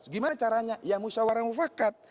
gimana caranya ya musyawarah mufakat